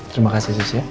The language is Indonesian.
terima kasih sus ya